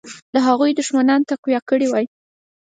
د هغوی دښمنان تقویه کړي وای.